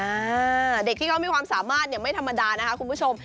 อ่าเด็กที่เขามีความสามารถเนี่ยไม่ธรรมดานะคะคุณผู้ชม